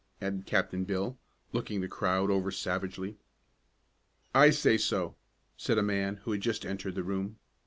added Captain Bill, looking the crowd over savagely. "I say so," said a man who had just entered the room.